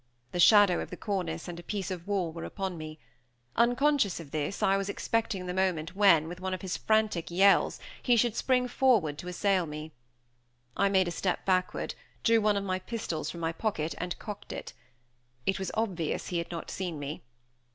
The shadow of the cornice and a piece of wall were upon me. Unconscious of this, I was expecting the moment when, with one of his frantic yells, he should spring forward to assail me. I made a step backward, drew one of my pistols from my pocket, and cocked it. It was obvious he had not seen me.